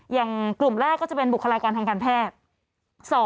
อย่างกลุ่มแรกก็จะเป็นบุคลากรทางการแพทย์